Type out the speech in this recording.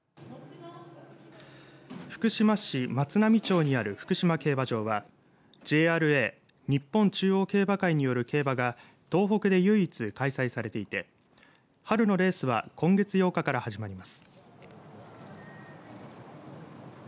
福島市松浪町にある福島競馬場はＪＲＡ、日本中央競馬会による競馬が東北で唯一開催されていて春のレースは今月８日から始まります。